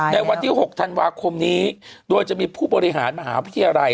ในวันที่๖ธันวาคมนี้โดยจะมีผู้บริหารมหาวิทยาลัย